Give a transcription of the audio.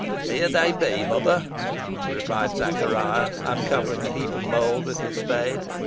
"Here they be, mother," replied Zachariah, uncovering a heap of mould with his spade.